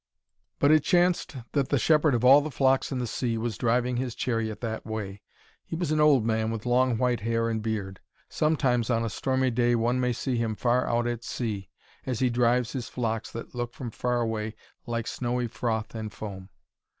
But it chanced that the shepherd of all the flocks in the sea was driving his chariot that way. He was an old man with long white hair and beard. Sometimes on a stormy day one may see him far out at sea, as he drives his flocks that look from far away like snowy froth and foam.